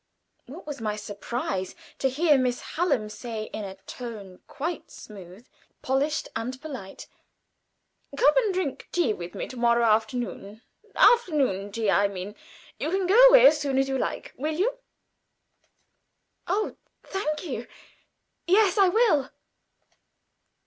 What was my surprise to hear Miss Hallam say, in a tone quite smooth, polished, and polite: "Come and drink tea with me to morrow afternoon afternoon tea I mean. You can go away again as soon as you like. Will you?" "Oh, thank you. Yes, I will."